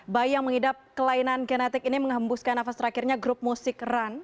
bayi yang mengidap kelainan genetik ini menghembuskan nafas terakhirnya grup musik run